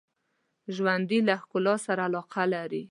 ژوندي له ښکلا سره علاقه لري